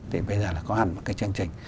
thì bây giờ là có hẳn một cái chương trình